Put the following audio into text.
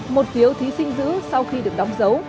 một phiếu thí sinh giữ sau khi được đóng dấu